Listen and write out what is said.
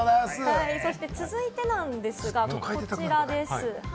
続いてなんですが、こちらです。